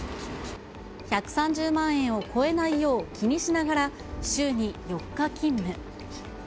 １３０万円を超えないよう気にしながら、週に４日勤務。